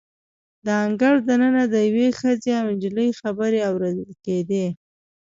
د انګړ د ننه د یوې ښځې او نجلۍ خبرې اوریدل کیدې.